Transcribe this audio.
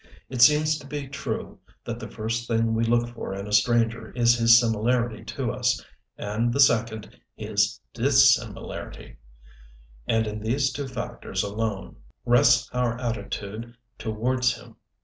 It seems to be true that the first thing we look for in a stranger is his similarity to us, and the second, his dissimilarity; and in these two factors alone rests our attitude towards him.